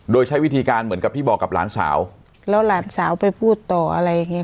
โดยใช้วิธีการเหมือนกับที่บอกกับหลานสาวแล้วหลานสาวไปพูดต่ออะไรอย่างเงี้